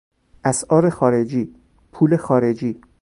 اسعار خارجی، پول خارجی